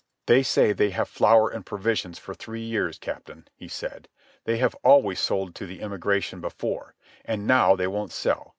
"They say they have flour and provisions for three years, Captain," he said. "They have always sold to the immigration before. And now they won't sell.